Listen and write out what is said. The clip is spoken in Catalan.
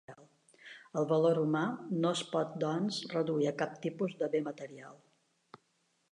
El valor humà no es pot doncs reduir a cap tipus de bé material.